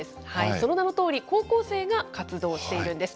その名のとおり、高校生が活動しているんです。